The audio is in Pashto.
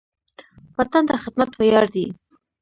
وطن ته خدمت ویاړ دی